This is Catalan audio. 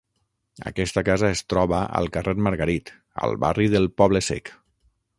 Aquesta casa es troba al carrer Margarit, al barri del Poble Sec.